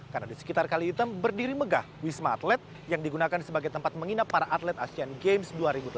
karena di sekitar kalitem berdiri megah wisma atlet yang digunakan sebagai tempat menginap para atlet asean games dua ribu delapan belas